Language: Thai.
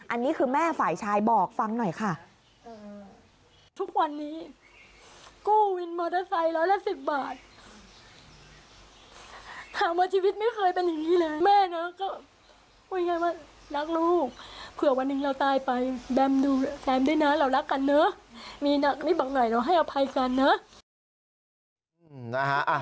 อันนี้คือแม่ฝ่ายชายบอกฟังหน่อยค่ะ